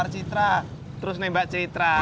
terus mba citra terus mba citra